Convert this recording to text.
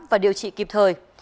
và điều trị kịp thời